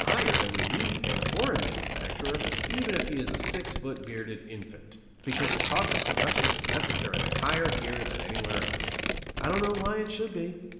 higher than we need pay the foreign manufacturer, even if he is a six foot, bearded "infant," because the cost of production is necessarily higher here than anywhere else. I don't know why it should be.